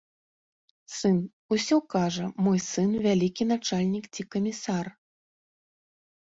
Сын, усё кажа, мой сын вялікі начальнік ці камісар.